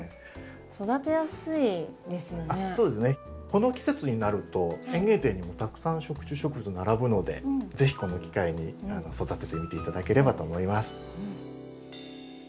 この季節になると園芸店にたくさん食虫植物並ぶので是非この機会に育ててみて頂ければと思います。